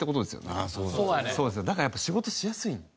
だからやっぱ仕事しやすい。